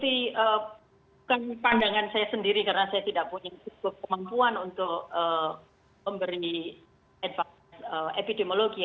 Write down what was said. tapi bukan pandangan saya sendiri karena saya tidak punya cukup kemampuan untuk memberi epidemiologi